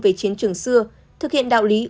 về chiến trường xưa thực hiện đạo lý